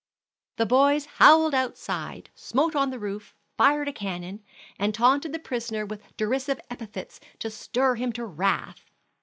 The boys howled outside, smote on the roof, fired a cannon, and taunted the prisoner with derisive epithets to stir him to wrath.